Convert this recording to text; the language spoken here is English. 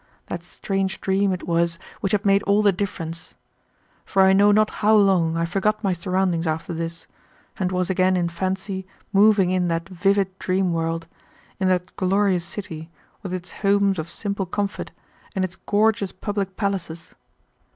That strange dream it was which had made all the difference. For I know not how long, I forgot my surroundings after this, and was again in fancy moving in that vivid dream world, in that glorious city, with its homes of simple comfort and its gorgeous public palaces.